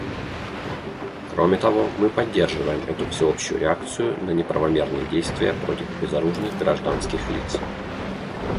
Кроме того, мы поддерживаем эту всеобщую реакцию на неправомерные действия против безоружных гражданских лиц.